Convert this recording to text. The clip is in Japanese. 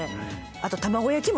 あと卵焼きもね